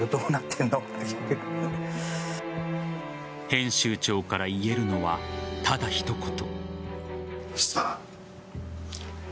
編集長から言えるのはただ一言。